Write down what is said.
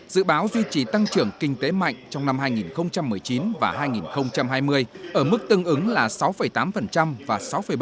dự báo duy trì tăng trưởng kinh tế mạnh trong năm hai nghìn một mươi chín và hai nghìn hai mươi ở mức tương ứng là sáu tám và sáu bảy